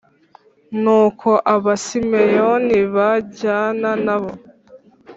Nuko Abasimeyoni bajyana na bo.